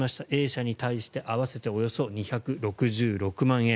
Ａ社に対して合わせておよそ２６６万円。